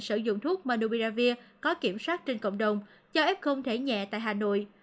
sử dụng thuốc monopiravir có kiểm soát trên cộng đồng cho f thể nhẹ tại hà nội